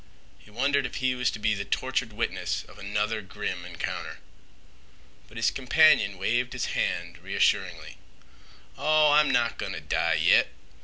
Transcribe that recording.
He wondered if he was to be the tortured witness of another grim encounter. But his companion waved his hand reassuringly. "Oh, I'm not goin' t' die yit!